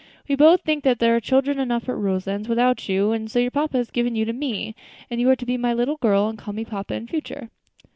"We both think that there are children enough at Roselands without you; and so your papa has given you to me; and you are to be my little girl, and call me papa in future."